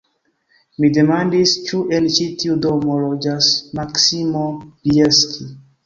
Mi demandis, ĉu en ĉi tiu domo loĝas Maksimo Bjelski.